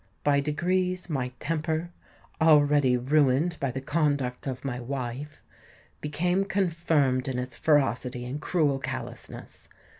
By degrees my temper, already ruined by the conduct of my wife, became confirmed in its ferocity and cruel callousness.